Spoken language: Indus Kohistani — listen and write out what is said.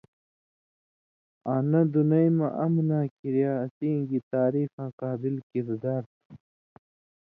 آں نہ دُنئ مہ امناں کریا اسیں گی تعریفاں قابل کِردار تُھو۔